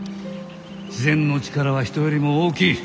自然の力は人よりも大きい。